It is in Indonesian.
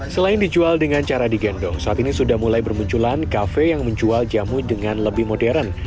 selain dijual dengan cara digendong saat ini sudah mulai bermunculan kafe yang menjual jamu dengan lebih modern